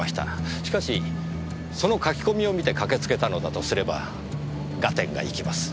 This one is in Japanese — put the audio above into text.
しかしその書き込みを見て駆けつけたのだとすれば合点がいきます。